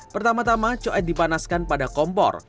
pertama tama coet dipanaskan pada kompor